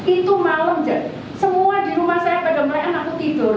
itu malam semua di rumah saya pada mereka langsung tidur